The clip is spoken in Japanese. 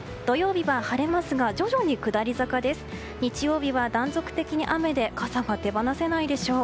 日曜日は断続的に雨で傘が手放せないでしょう。